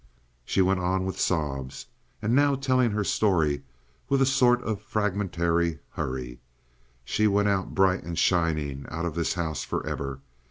She went on with sobs, and now telling her story with a sort of fragmentary hurry: "She went out bright and shining, out of this house for ever.